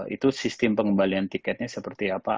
itu sistem pengembalian tiketnya seperti apa